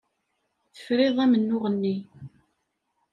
Tefriḍ amennuɣ-nni.